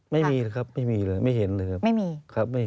ไม่มีเลยครับไม่เห็นเลยครับ